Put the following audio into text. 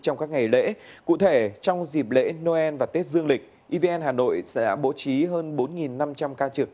trong các ngày lễ cụ thể trong dịp lễ noel và tết dương lịch evn hà nội sẽ bố trí hơn bốn năm trăm linh ca trực